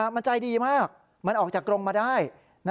มันใจดีมากมันออกจากกรงมาได้